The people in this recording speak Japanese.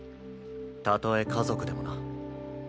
たとえ家族でもな。